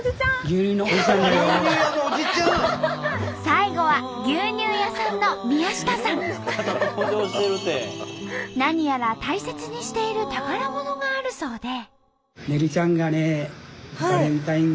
最後は何やら大切にしている宝物があるそうで。